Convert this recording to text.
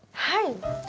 はい。